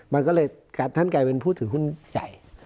มันก็เลยท่านกลายเป็นผู้ถือหุ้นใหญ่